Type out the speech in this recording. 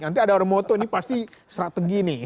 nanti ada orang moto ini pasti strategi nih